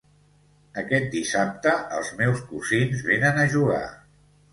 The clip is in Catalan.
Aquest dissabte els meus cosins venen a jugar